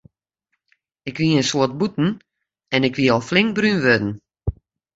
Ik wie in soad bûten en ik wie al flink brún wurden.